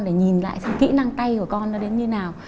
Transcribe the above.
để nhìn lại kỹ năng tay của con đến như nào